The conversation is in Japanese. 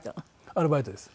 アルバイトです。